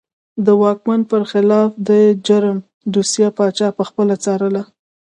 د واکمن پر خلاف د جرم دوسیه پاچا پخپله څارله.